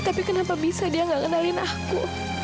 tapi kenapa bisa dia nggak kenalin aku